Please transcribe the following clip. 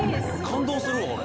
「感動するわ俺。